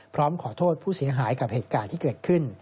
พร้อมขอโทษผู้เสียหายกับเหตุการณ์ที่เกิดขึ้น